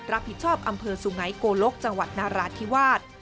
รับผิดชอบอำเภอสุงัยโกลกจังหวัดนาราธิวาส